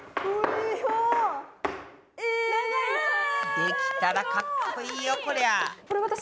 できたらかっこいいよこりゃ。